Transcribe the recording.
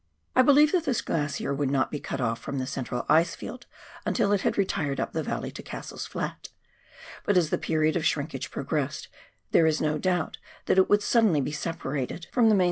I believe that this glacier would not be cut off from the central ice field until it had retired up the valley to Cassell's Flat. But as the period of shrinkage progressed, there is no doubt that it would suddenly be separated from the main KARANGARUA DISTRICT.